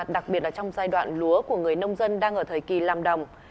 đặc biệt là trong giai đoạn lúa của người nông dân đang ở thời kỳ làm đồng